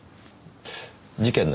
事件の日